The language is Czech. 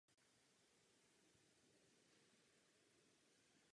Známý je z dobře dochovaných fosilních pozůstatků tří druhů.